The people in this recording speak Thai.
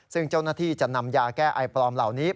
ซึ่งเจ้าหน้าที่จะนำยาแก้ไอปลอมเหล่านี้